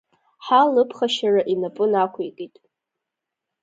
Ҳа лыԥхашьара инапы нақәикит.